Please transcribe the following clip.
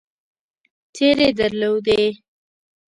څېرې درلودې.